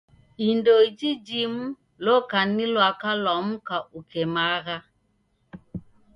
Indo iji jimu loka ni lwaka lwa mka ukemagha.